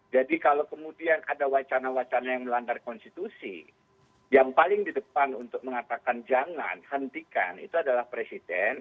jadi kalau kemudian ada wacana wacana yang melanggar konstitusi yang paling di depan untuk mengatakan jangan hentikan itu adalah presiden